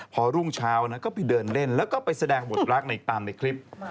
พอรุ่งเช้าก็ไปเดินเล่นแล้วก็ไปแสดงบทรักในตามในคลิป